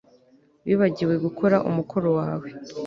Wibagiwe gukora umukoro wawe